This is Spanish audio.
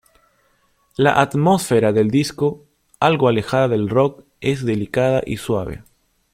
La atmósfera del disco, algo alejada del rock, es delicada y suave.